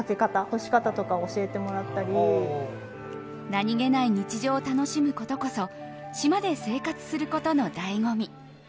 何気ない日常を楽しむことこそ島で生活することの醍醐味。